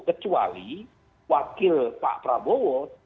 kecuali wakil pak prabowo